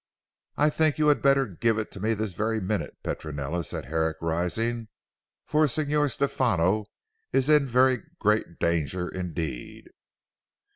"I think you had better give it to me this very minute Petronella," said Herrick rising, "for Signor Stefano is in very great danger indeed!"